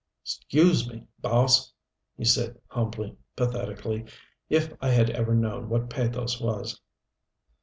"Iscuse me, Boss," he said humbly, pathetically, if I had ever known what pathos was.